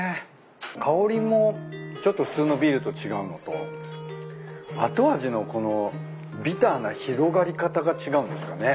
香りもちょっと普通のビールと違うのと後味のこのビターな広がり方が違うんですかね？